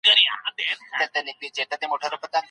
ډېری هېوادونه تر خپل تسخیر لاندي کړه.